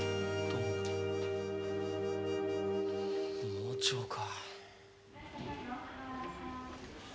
盲腸か。